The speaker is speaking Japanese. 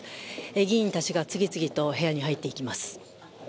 議員たちが次々と部屋に入っていきます。